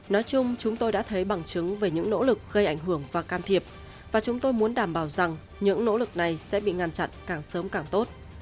nói chung chúng tôi đã thấy bằng chứng về những nỗ lực gây ảnh hưởng và can thiệp và chúng tôi muốn đảm bảo rằng những nỗ lực này sẽ bị ngăn chặn càng sớm càng tốt